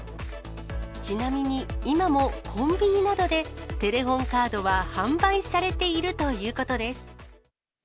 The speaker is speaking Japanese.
ちなみに今もコンビニなどでテレホンカードは販売されているということです。